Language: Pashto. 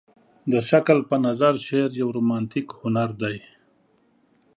د هګل په نظر شعر يو رومانتيک هنر دى.